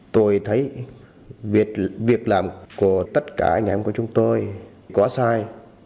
tôi thấy việc làm của tất cả anh em của chúng tôi quá sai